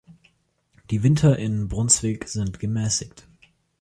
Die Winter in Brunswick sind gemäßigt.